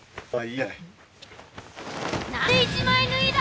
はい？